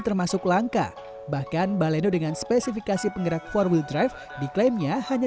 termasuk langka bahkan baleno dengan spesifikasi penggerak empat w drive diklaimnya hanya